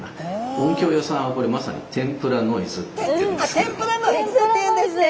音響屋さんはこれまさにああテンプラノイズっていうんですね。